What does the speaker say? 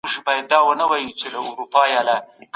ایا له ډېري چای څښلو ډډه کول خوب سموي؟